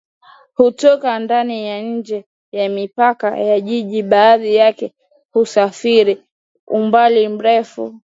hutoka ndani na nje ya mipaka ya jiji baadhi yake husafiri umbali mrefu